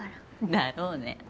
だろうね。